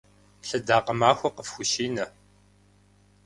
Лъэдакъэ махуэ къыфхущинэ!